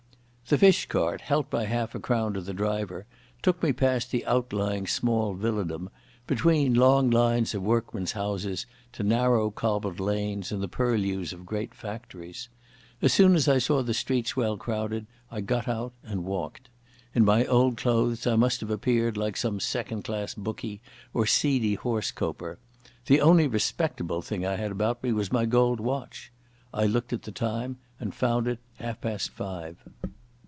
The fish cart, helped by half a crown to the driver, took me past the outlying small villadom, between long lines of workmen's houses, to narrow cobbled lanes and the purlieus of great factories. As soon as I saw the streets well crowded I got out and walked. In my old clothes I must have appeared like some second class bookie or seedy horse coper. The only respectable thing I had about me was my gold watch. I looked at the time and found it half past five.